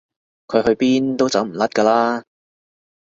佢去邊都走唔甩㗎啦